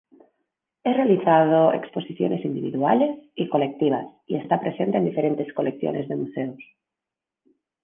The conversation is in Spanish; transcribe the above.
Ha realizado exposiciones individuales y colectivas y está presente en diferentes colecciones de Museos.